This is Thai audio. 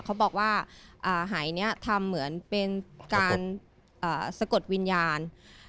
เขาบอกว่าหายนี้ทำเหมือนเป็นการสะกดวิญญาณ